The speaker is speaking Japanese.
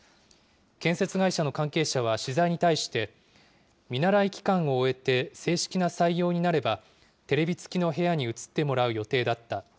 建設会社の関係者は取材に対して、見習い期間を終えて、正式な採用になれば、テレビ付きの部屋に移ってもらう予定だった。